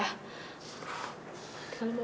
tinggal lima belas menit lagi